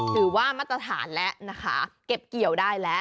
ถือว่ามาตรฐานแล้วนะคะเก็บเกี่ยวได้แล้ว